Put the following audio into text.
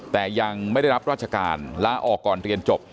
แต่ยังไม่ได้รับราชการลาออกก่อนเรียนจบ